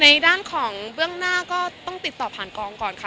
ในด้านของเบื้องหน้าก็ต้องติดต่อผ่านกองก่อนค่ะ